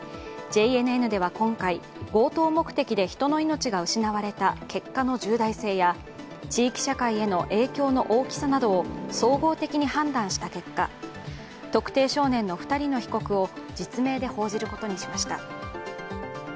ＪＮＮでは今回、強盗目的で人の命が失われた結果の重大性や地域社会への影響の大きさなどを総合的に判断した結果、特定少年の２人の少年を実名で報じることにしました。